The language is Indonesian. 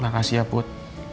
makasih ya put